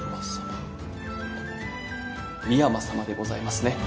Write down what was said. あっ深山さまでございますね。